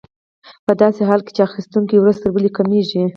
په داسې حال کې چې اخیستونکي ورځ تر بلې کمېږي